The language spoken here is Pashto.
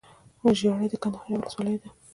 ژړۍ دکندهار يٶه ولسوالې ده